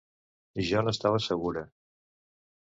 Jo n'estava segura.